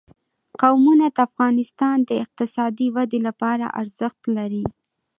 قومونه د افغانستان د اقتصادي ودې لپاره ارزښت لري.